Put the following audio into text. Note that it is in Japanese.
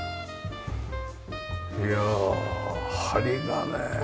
いやあ梁がね